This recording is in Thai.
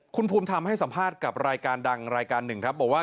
คุณภูมิทำให้สัมภาษฐ์กับรายการดังรายการ๑บอกว่า